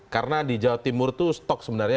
karena di jawa timur itu stok sebenarnya